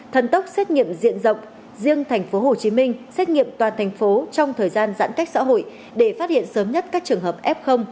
thần tốc xét nghiệm diện rộng riêng thành phố hồ chí minh xét nghiệm toàn thành phố trong thời gian giãn cách xã hội để phát hiện sớm nhất các trường hợp f